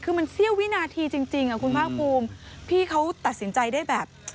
คือมันเสี้ยววินาทีจริงคุณภาคภูมิพี่เขาตัดสินใจได้แบบ